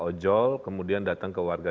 ojol kemudian datang ke warga